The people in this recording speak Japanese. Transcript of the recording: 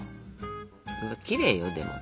きれいよでも。